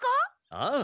ああ。